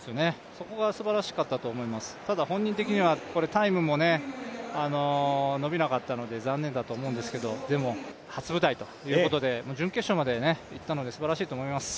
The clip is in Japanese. そこがすばらしかったと思いますただ本人的には、タイムも伸びなかったので残念だと思うんですけどでも、初舞台ということで準決勝までいったのですばらしいと思います。